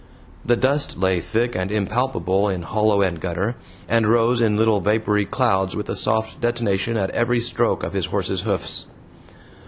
The dust lay thick and impalpable in hollow and gutter, and rose in little vapory clouds with a soft detonation at every stroke of his horse's hoofs.